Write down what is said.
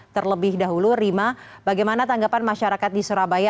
terlebih dahulu rima bagaimana tanggapan masyarakat di surabaya